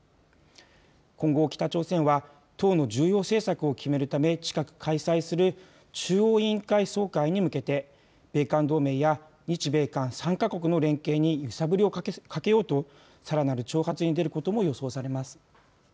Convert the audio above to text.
今後、北朝鮮は党の重要政策を決めるため近く開催する中央委員会総会に向けて米韓同盟や日米韓３か国の連携に揺さぶりをかけようとさらなる挑発に出ることも予想されます。